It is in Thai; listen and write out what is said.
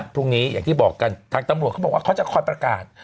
พรุ่งนี้อย่างที่บอกกันทางตำรวจเขาบอกว่าเขาจะคอยประกาศ